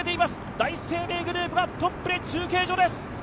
第一生命グループはトップで中継所です。